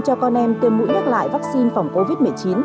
cho con em tiêm mũi nhắc lại vaccine phòng covid một mươi chín